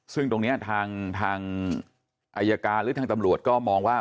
ซึ่งตรงนี้ทางอายการหรือทางตำรวจก็มองว่า